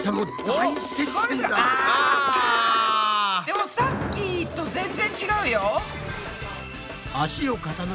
でもさっきと全然違うよ。